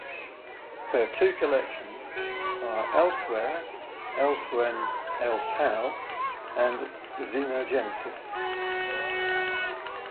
Her two collections are "Elsewhere, Elsewhen, Elsehow" and "Xenogenesis".